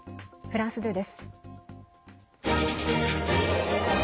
フランス２です。